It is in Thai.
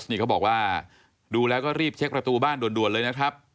นี่เขาบอกว่าดูแล้วก็รีบเช็คประตูบ้านด่วนเลยนะครับ